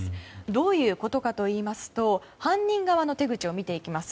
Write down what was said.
どういうことかといいますと犯人側の手口を見ていきます。